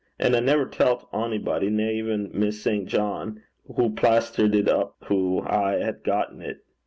And I never tellt onybody, nae even Miss St. John, wha plaistered it up, hoo I had gotten 't.